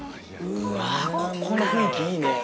うわここの雰囲気いいね。